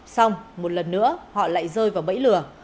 xong một lần nữa họ lại rơi vào bẫy lừa